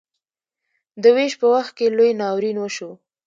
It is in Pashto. د ویش په وخت کې لوی ناورین وشو.